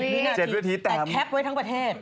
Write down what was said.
๗วิธีแตกแต่แคปไว้ทั้งประเทศ